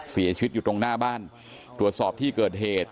เสียชีวิตอยู่ตรงหน้าบ้านตรวจสอบที่เกิดเหตุ